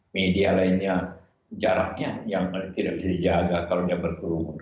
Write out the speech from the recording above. media lainnya jaraknya yang tidak bisa dijaga kalau berkurung